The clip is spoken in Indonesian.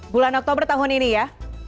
bulan oktober tahun ini ya